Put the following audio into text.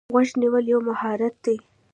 غوږ نیول یو مهارت دی.